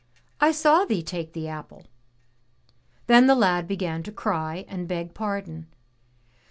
I saw thee take the apple." Then the lad began to cry and beg pardon.